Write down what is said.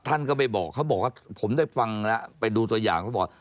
ท่านก็ไปบอกเขาบอกว่าผมได้ฟังแล้วไปดูตัวอย่างเขาบอก